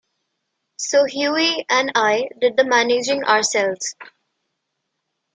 So Hughie and I did the managing ourselves.